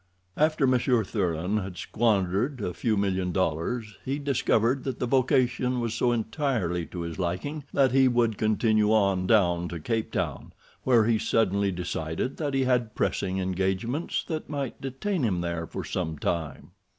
After Monsieur Thuran had squandered a few million dollars, he discovered that the vocation was so entirely to his liking that he would continue on down to Cape Town, where he suddenly decided that he had pressing engagements that might detain him there for some time.